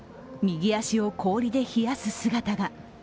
右足を氷で冷やす姿が。